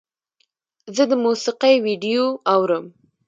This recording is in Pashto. زه د موسیقۍ ویډیو اورم.